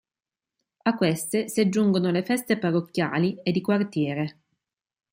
A queste si aggiungono le feste parrocchiali e di quartiere.